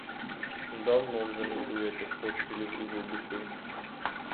Давно вже не чув я цих пострілів і вибухів.